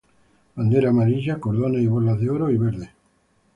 Bandera amarilla; cordones y borlas de oro y verde.